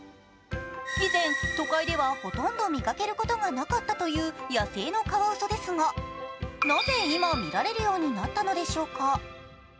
以前、都会ではほとんど見かけることがなかったという野生のカワウソですが、なぜ今見られるようになったのでしょうか。